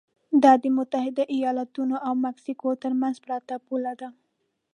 دا د متحده ایالتونو او مکسیکو ترمنځ پرته پوله ده.